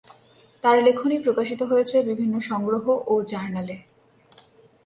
তার লেখনী প্রকাশিত হয়েছে বিভিন্ন সংগ্রহ ও জার্নালে।